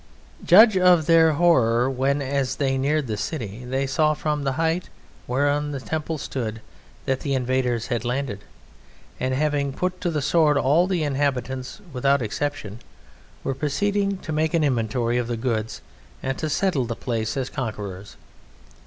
Judge of their horror when, as they neared the city, they saw from the height whereon the temple stood that the invaders had landed, and, having put to the sword all the inhabitants without exception, were proceeding to make an inventory of the goods and to settle the place as conquerors.